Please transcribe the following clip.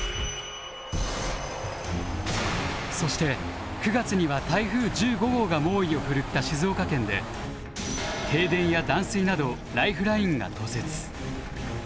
そして９月には台風１５号が猛威を振るった静岡県で停電や断水などライフラインが途絶。